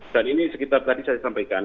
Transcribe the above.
dan ini sekitar tadi saya sampaikan